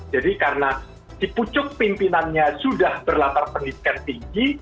jadi karena tipucuk pimpinannya sudah berlatar pendidikan tinggi